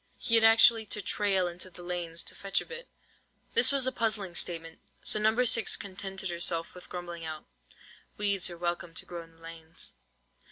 He had actually to "trail" into the lanes to fetch a bit. This was a puzzling statement; so No. 6 contented herself with grumbling out:— "Weeds are welcome to grow in the lanes."